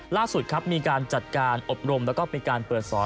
ล่าสุดครับมีการจัดการอบรมแล้วก็มีการเปิดสอน